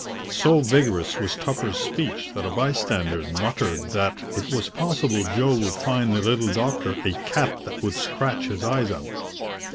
So vigorous was Tupper's speech that a bystander muttered that 'it was possible Joe would find the little doctor a cat that would scratch his eyes out.'